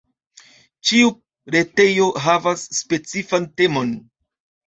Ĉiu retejo havas specifan temon.